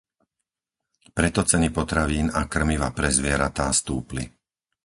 Preto ceny potravín a krmiva pre zvieratá stúpli.